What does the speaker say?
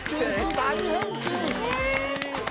大変身！